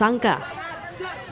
yang memangkan tersangka